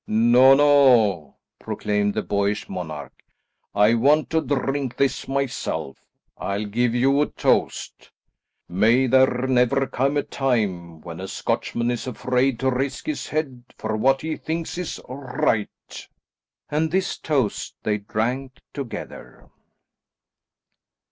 "No, no," proclaimed the boyish monarch, "I want to drink this myself. I'll give you a toast. May there never come a time when a Scotchman is afraid to risk his head for what he thinks is right." And this toast they drank together.